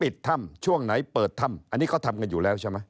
ปิดถ้ำช่วงไหนเปิดถ้ำอันนี้ก็ทำกันอยู่แล้วใช่ไหม